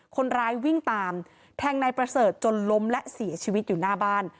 คนร้ายวิ่งตามแทงนายประเสริฐจนล้มและเสียชีวิตอยู่หน้าบ้าน